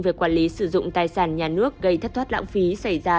về quản lý sử dụng tài sản nhà nước gây thất thoát lãng phí xảy ra